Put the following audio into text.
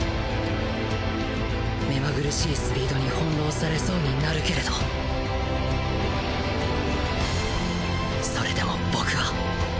目まぐるしいスピードに翻弄されそうになるけれどそれでも僕は